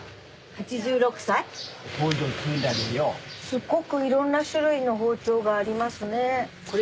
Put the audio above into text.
すっごくいろんな種類の包丁がありますね。